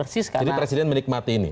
jadi presiden menikmati ini